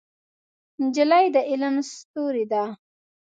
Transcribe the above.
نجلۍ د علم ستورې ده.